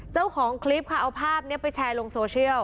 เจ้าของคลิปค่ะเอาภาพนี้ไปแชร์ลงโซเชียล